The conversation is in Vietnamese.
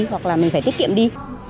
hoặc là mình phải tiết kiệm đi